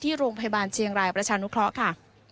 โรงพยาบาลเชียงรายประชานุเคราะห์ค่ะ